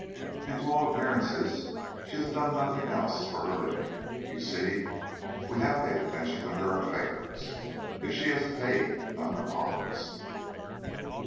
And to all appearances she has done nothing else for her living. You see, we have paid attention to her affairs, if she has paid none to ours."